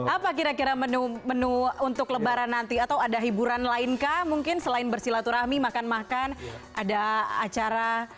apa kira kira menu menu untuk lebaran nanti atau ada hiburan lain kah mungkin selain bersilaturahmi makan makan ada acara